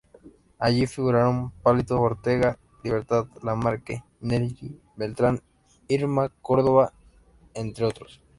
Allí figuraron Palito Ortega, Libertad Lamarque, Nelly Beltrán, Irma Córdoba, entre otros.